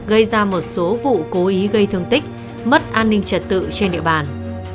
gây ra một số vụ cố ý gây thương tích mất an ninh trật tự trên địa bàn